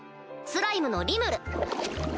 スライムのリムル。